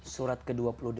surat ke dua puluh delapan